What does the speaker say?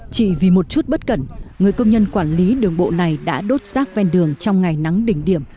chỉ vì một chút bất cẩn người công nhân quản lý đường bộ này đã đốt rác ven đường trong ngày nắng đỉnh điểm